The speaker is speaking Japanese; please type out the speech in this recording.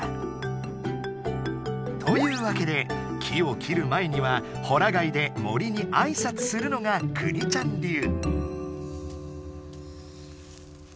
というわけで木を切る前にはほら貝で森にあいさつするのがくにちゃん流。